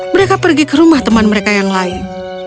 mereka pergi ke rumah teman mereka yang lain